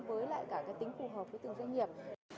với lại cả cái tính phù hợp với từng doanh nghiệp